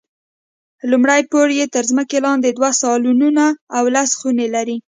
لومړی پوړ یې تر ځمکې لاندې دوه سالونونه او لس خونې لري.